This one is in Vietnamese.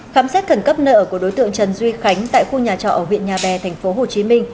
khám xét khẩn cấp nợ của đối tượng trần duy khánh tại khu nhà trọ huyện nhà bè tp hcm